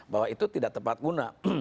bahwa itu tidak tepat guna